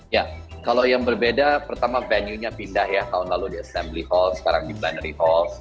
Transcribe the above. ya kalau yang berbeda pertama venue nya pindah ya tahun lalu di assembly hall sekarang di blenary hall